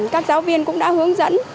các giáo viên cũng đã hướng dẫn